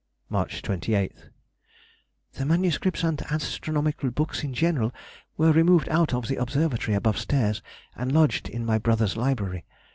March 28th.—The MSS. and astronomical books in general were removed out of the observatory above stairs and lodged in my brother's library.